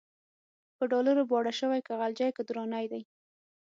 په ډالرو باړه شوی، که غلجی که درانی دی